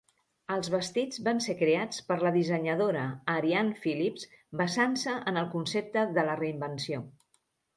Els vestits van ser creats per la dissenyadora Arianne Phillips basant-se en el concepte de la reinvenció.